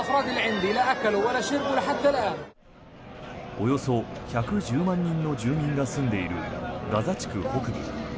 およそ１１０万人の住民が住んでいるガザ地区北部。